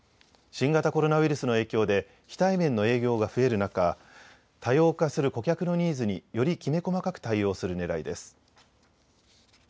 新型コロナウイルスの影響で非対面の営業が増える中、多様化する顧客のニーズによりきめ細かく対応するねらいです。